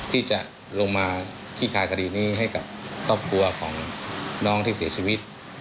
ที่จะลงมาขี้คายคดีนี้ให้กับครอบครัวของน้องที่เสียชีวิต